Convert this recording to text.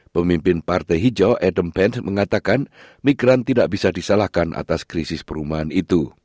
pemimpin partai hijau edem benz mengatakan migran tidak bisa disalahkan atas krisis perumahan itu